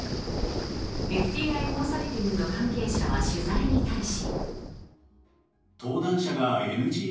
ＦＴＩコンサルティングの関係者は取材に対し。